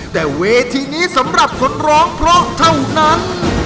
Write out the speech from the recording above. แต่เวทีนี้สำหรับคนร้องเพราะเท่านั้น